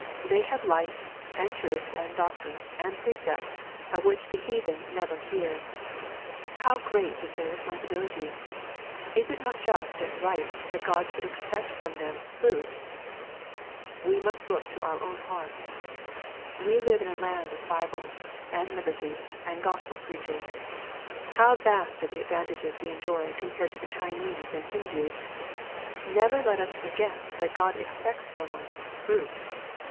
They have light, and truth, and doctrines, and precepts, of which the heathen never hear. How great is their responsi bility I Is it not just and right that God should expect from them "fruit ?"— We must look to our own hearts. We live in a land of Bibles, and liberty, and Gospel preaching. How vast are the advantages we enjoy com pared to the Chinese and Hindoo 1 Never let us forget that God expects from us " fruit."